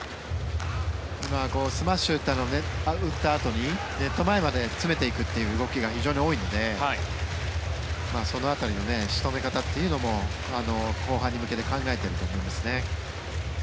今、スマッシュを打ったあとにネット前まで詰めていくという動きが非常に多いのでその辺りの仕留め方というのも後半に向けて考えていると思いますね。